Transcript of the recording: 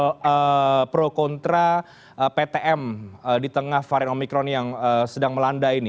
soal pro kontra ptm di tengah varian omikron yang sedang melanda ini